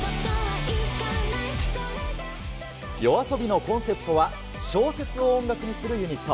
ＹＯＡＳＯＢＩのコンセプトは、小説を音楽にするユニット。